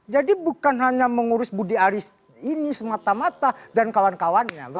jadi bukan hanya mengurus budi aris ini semata mata dan kawan kawannya